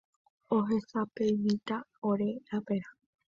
Ohesapemíta ore raperã